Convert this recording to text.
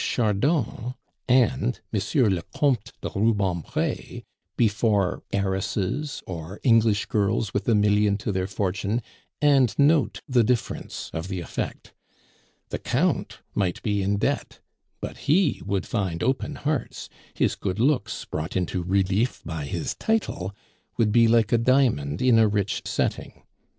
Chardon' and 'M. le Comte de Rubempre' before heiresses or English girls with a million to their fortune, and note the difference of the effect. The Count might be in debt, but he would find open hearts; his good looks, brought into relief by his title, would be like a diamond in a rich setting; M.